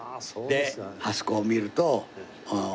であそこを見ると。